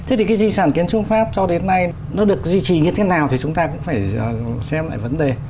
thế thì cái di sản kiến trúc pháp cho đến nay nó được duy trì như thế nào thì chúng ta cũng phải xem lại vấn đề